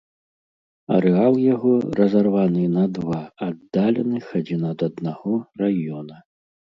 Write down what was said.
Арэал яго разарваны на два аддаленых адзін ад аднаго раёна.